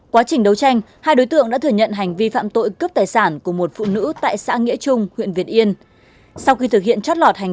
quá trình đấu tranh hai đối tượng đã thừa nhận hành vi phạm tội cướp tài sản của một phụ nữ tại xã nghĩa trung huyện việt yên